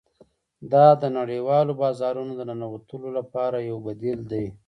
دا د نړیوالو بازارونو د ننوتلو لپاره یو بدیل دی